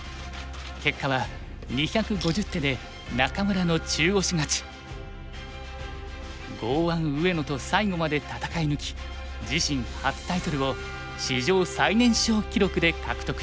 結果は２５０手で剛腕上野と最後まで戦い抜き自身初タイトルを史上最年少記録で獲得した。